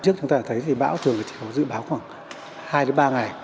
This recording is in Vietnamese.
trước chúng ta đã thấy thì bão trường chỉ có dự báo khoảng hai ba ngày